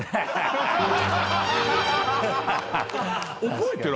覚えてる？